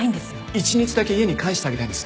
一日だけ家に帰してあげたいんです。